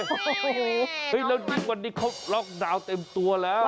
โอ้โฮเฮ้ยน้องดิ๊กวันนี้เขาล็อกดาวน์เต็มตัวแล้ว